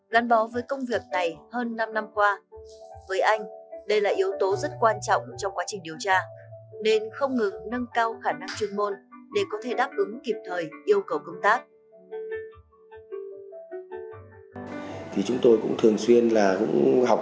gắn bó với công việc này hơn năm năm qua với anh đây là yếu tố rất quan trọng trong quá trình điều tra nên không ngừng nâng cao khả năng chuyên môn để có thể đáp ứng kịp thời yêu cầu công tác